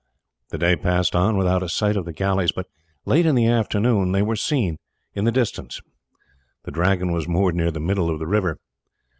The day passed on without a sight of the galleys, but late in the afternoon they were seen in the distance. The Dragon was moored near the middle of the rivet.